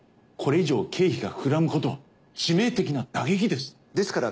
これ以上経費が膨らむことは致命的な打撃です。